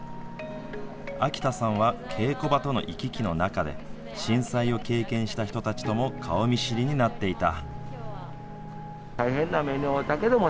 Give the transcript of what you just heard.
秋田さんは、稽古場との行き来の中で、震災を経験した人たちとも顔見知りになっていた。